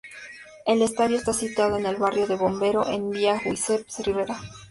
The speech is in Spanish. El estadio está situado en el barrio de Vomero, en Via Giuseppe Ribera.